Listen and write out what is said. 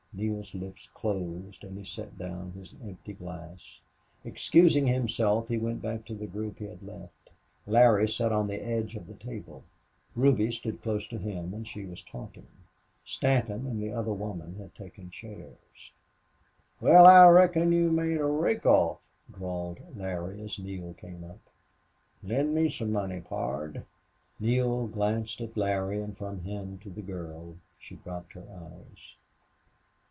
Neale's lips closed and he set down his empty glass. Excusing himself, he went back to the group he had left. Larry sat on the edge of the table; Ruby stood close to him and she was talking; Stanton and the other woman had taken chairs. "Wal, I reckon you made a rake off," drawled Larry, as Neale came up. "Lend me some money, pard." Neale glanced at Larry and from him to the girl. She dropped her eyes.